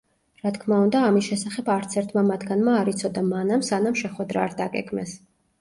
რა თქმა უნდა, ამის შესახებ არცერთმა მათგანმა არ იცოდა მანამ, სანამ შეხვედრა არ დაგეგმეს.